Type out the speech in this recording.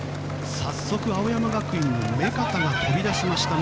早速、青山学院の目片が飛び出しました。